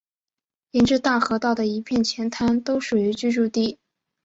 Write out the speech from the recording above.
沿着大河道的一片浅滩都属于居住地。